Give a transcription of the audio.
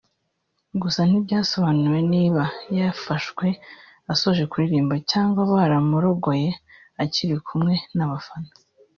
gusa ntibyasobanuwe niba yafashwe asoje kuririmba cyangwa bamurogoye akiri kumwe n’abafana